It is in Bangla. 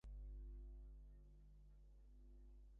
আজ রাতে কিছু ক্লায়েন্টের সাথে আমি ডিনার করবো।